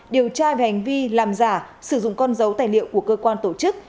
điều tra về hành vi làm giả sử dụng con dấu tài liệu của cơ quan tổ chức